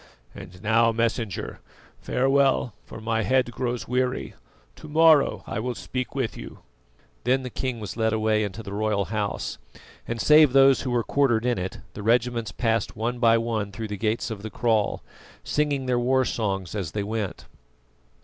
And now, Messenger, farewell, for my head grows weary. To morrow I will speak with you." Then the king was led away into the royal house, and save those who were quartered in it, the regiments passed one by one through the gates of the kraal, singing their war songs as they went.